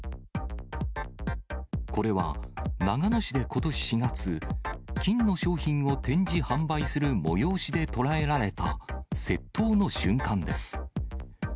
これは、長野市でことし４月、金の商品を展示・販売する催しで捉えられた窃盗の瞬間です。